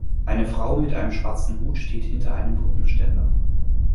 Eine Frau mit einem schwarzen Hut steht hinter einem Puppenständer.